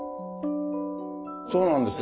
そうなんです。